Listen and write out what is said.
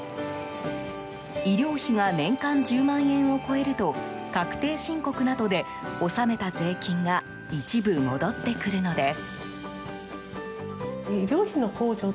医療費が年間１０万円を超えると確定申告などで納めた税金が一部戻ってくるのです。